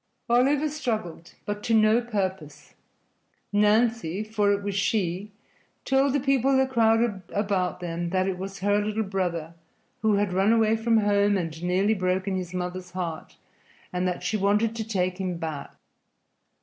Oliver struggled, but to no purpose. Nancy (for it was she) told the people that crowded about them that it was her little brother, who had run away from home and nearly broken his mother's heart, and that she wanted to take him back.